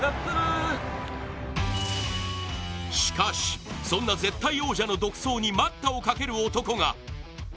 しかし、そんな絶対王者の独走に、待ったをかける男が！